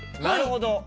なるほど。